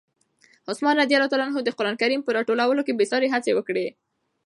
عثمان رض د قرآن کریم په راټولولو کې بې ساري هڅې وکړې.